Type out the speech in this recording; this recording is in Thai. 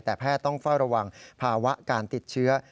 แต่แพทย์ต้องเฝ้าระวังภาวะการติดเชื้อ